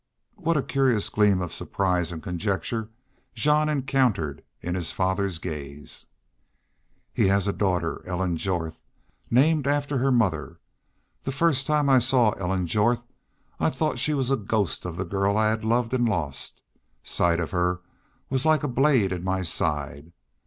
What a curious gleam of surprise and conjecture Jean encountered in his father's gaze! "He has a daughter. Ellen Jorth. Named after her mother. The first time I saw Ellen Jorth I thought she was a ghost of the girl I had loved an' lost. Sight of her was like a blade in my side.